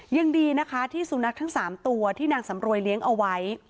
ยังดีนะคะที่สุนัขทั้ง๓ตัวที่นางสำรวยเลี้ยงเอาไว้